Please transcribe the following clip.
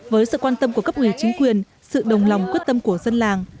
với sự quan tâm của cấp ủy chính quyền sự đồng lòng quyết tâm của dân làng